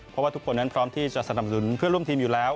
เพราะทุกคนพร้อมที่จะสนับบุญเพื่อร่วมทีม